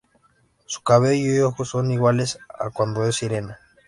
Su cabello y ojos son iguales a cuando es sirena.